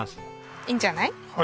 いいんじゃない？